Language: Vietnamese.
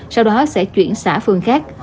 sau đó sẽ chuyển xã phường khác